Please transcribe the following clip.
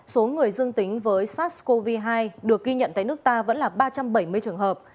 số người dương tính với sars cov hai được ghi nhận tại nước ta vẫn là ba trăm bảy mươi trường hợp